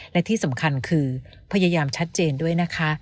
และที่สำคัญคือพยายามชัดเจนด้วยนะคะ